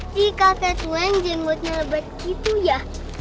di kakek tuan jengotnya lebat gitu ya